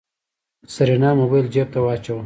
سېرېنا موبايل جېب ته واچوه.